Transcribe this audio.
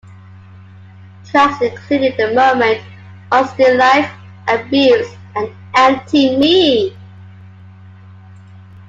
Tracks included The Moment, Unstill Life, Abuse and Empty Me.